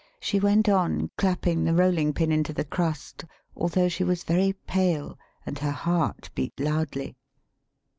She went on clapping the rolling pin into the crust, although she was very pale, and her heart beat loudly.